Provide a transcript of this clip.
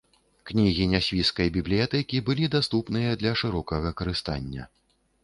Кнігі нясвіжскай бібліятэкі былі даступныя для шырокага карыстання.